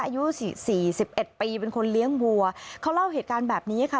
อายุ๔๑ปีเป็นคนเลี้ยงวัวเขาเล่าเหตุการณ์แบบนี้ค่ะ